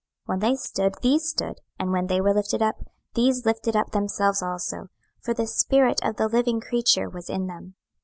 26:010:017 When they stood, these stood; and when they were lifted up, these lifted up themselves also: for the spirit of the living creature was in them.